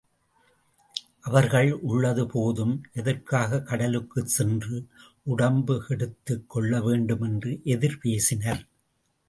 அவர்கள் உள்ளது போதும் எதற்காகக் கடலுக்குச் சென்று உடம்பு கெடுத்துக் கொள்ள வேண்டும் என்று எதிர் பேசினர்.